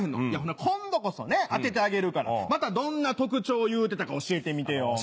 ほな今度こそ当ててあげるからまたどんな特徴を言うてたか教えてみてよ。